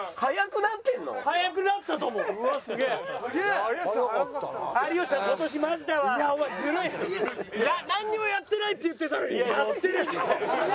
なんにもやってないって言ってたのにやってる。